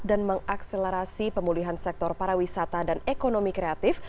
mengakselerasi pemulihan sektor pariwisata dan ekonomi kreatif